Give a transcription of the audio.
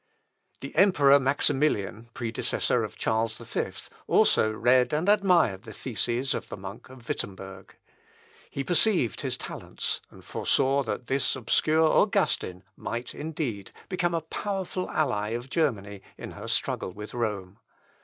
The Emperor Maximilian, predecessor of Charles V, also read and admired the theses of the monk of Wittemberg. He perceived his talents, and foresaw that this obscure Augustin might, indeed, become a powerful ally of Germany in her struggle with Rome.